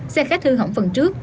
xe khách hư hỏng phần trước